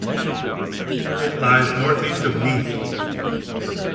It lies north-east of Neath.